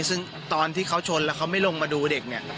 ซึ่งตอนที่เขาชนแล้วเขาไม่ลงมาดูเด็กเนี่ย